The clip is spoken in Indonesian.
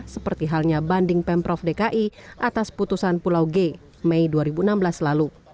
seperti halnya banding pemprov dki atas putusan pulau g mei dua ribu enam belas lalu